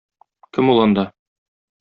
Кем ул анда?